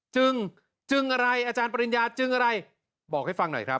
จึงจึงอะไรอาจารย์ปริญญาจึงอะไรบอกให้ฟังหน่อยครับ